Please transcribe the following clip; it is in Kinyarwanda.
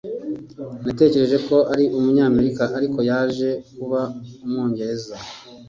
Natekereje ko ari umunyamerika ariko yaje kuba umwongereza